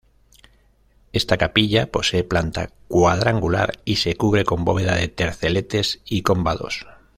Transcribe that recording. Esta capilla posee planta cuadrangular y se cubre con bóveda de terceletes y combados.